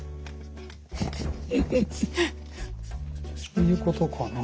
こういうことかな。